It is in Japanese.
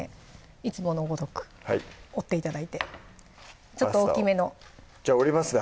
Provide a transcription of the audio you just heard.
いつものごとく折って頂いてちょっと大きめのじゃあ折りますね